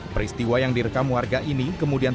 peristiwa yang direkam warga ini kemudian